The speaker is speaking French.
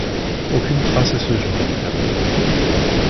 Aucune trace à ce jour du tableau.